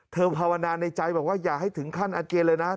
ภาวนาในใจบอกว่าอย่าให้ถึงขั้นอาเจียนเลยนะ